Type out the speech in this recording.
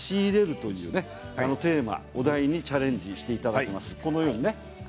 そういうお題にチャレンジしていただきます。